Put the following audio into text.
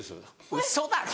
ウソだろ！